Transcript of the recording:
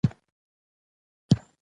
د ابدالي فیصله ژر را ورسېږي.